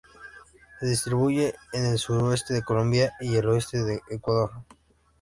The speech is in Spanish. Se distribuye por el suroeste de Colombia y el oeste de Ecuador.